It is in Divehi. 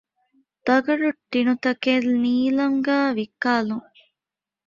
ދަގަނޑު ޓިނުތަކެއް ނީލަމްގައި ވިއްކާލުން